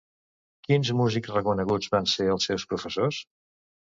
Quins músics reconeguts van ser els seus professors?